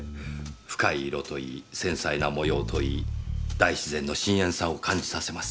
深い色といい繊細な模様といい大自然の深遠さを感じさせます。